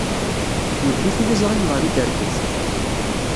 Yewwi tiliẓri-nneɣ ɣer uderbuz.